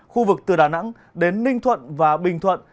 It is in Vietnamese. khu vực từ đà nẵng đến ninh thuận và bình thuận